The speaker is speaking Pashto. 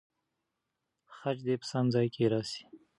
خج دې په سم ځای کې راسي.